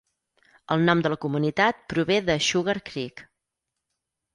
El nom de la comunitat prové de Sugar Creek.